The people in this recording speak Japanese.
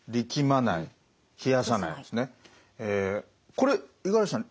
これ五十嵐さん